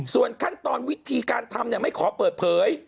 ส่วนขั้นตอนวิธีการทำไม่ขอเปิดเผย